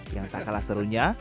yang tak kalah serunya